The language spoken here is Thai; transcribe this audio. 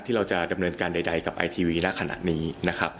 เราจะดำเนินการใดกับไอทีวีณขณะนี้นะครับ